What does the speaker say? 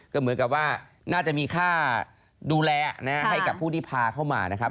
ก็เหมือนกับว่าน่าจะมีค่าดูแลให้กับผู้ที่พาเข้ามานะครับ